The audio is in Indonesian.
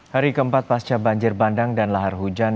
hari keempat pasca banjir bandang dan lahar hujan